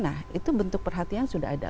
nah itu bentuk perhatian sudah ada